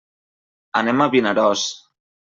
Anem a Vinaròs.